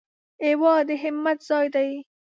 هېواد د همت ځای دی